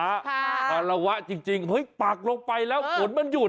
อารวะจริงเฮ้ยปากลงไปแล้วฝนมันหยุด